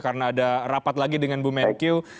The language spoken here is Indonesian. karena ada rapat lagi dengan bu menkyu